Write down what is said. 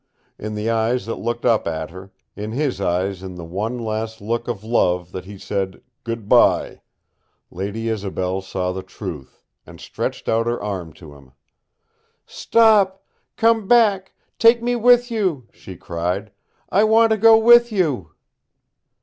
In the eyes that looked up at her, in his eyes in the one last look of love that he said, "Good by." Lady Isobel saw the truth, and stretched out her arm to him. "Stop! Come back! Take me with you!" she cried. "I want to go with you!"